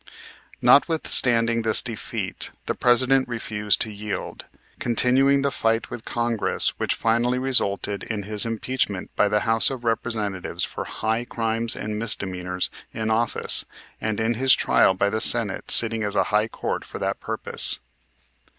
Notwithstanding this defeat the President refused to yield, continuing the fight with Congress which finally resulted in his impeachment by the House of Representatives for high Crimes and Misdemeanors in office and in his trial by the Senate sitting as a High Court for that purpose.